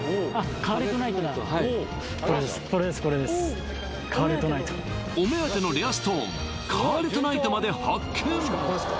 カーレトナイトお目当てのレアストーンカーレトナイトまで発見！